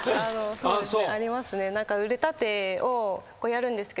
そうですね。